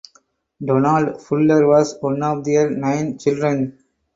Donald Fuller was one of their nine children.